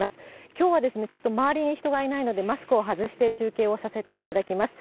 きょうはちょっと周りに人がいないので、マスクを外して中継をさせていただきます。